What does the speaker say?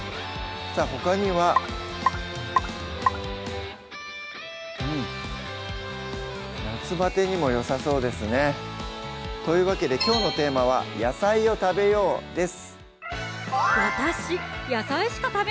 さぁほかにはうん夏バテにもよさそうですねというわけできょうのテーマは「野菜を食べよう！」です